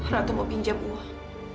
ratu mau pinjam uang